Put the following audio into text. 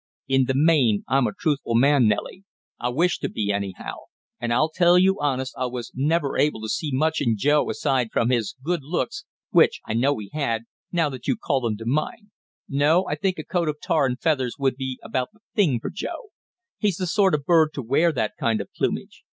"In the main I'm a truthful man, Nellie, I wish to be anyhow; and I'll tell you honest I was never able to see much in Joe aside from his good looks, which I know he had, now that you call them to mind. No, I think a coat of tar and feathers would be about the thing for Joe; he's the sort of bird to wear that kind of plumage.